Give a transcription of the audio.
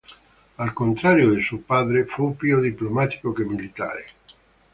Al contrario di suo padre, fu più diplomatico che militare.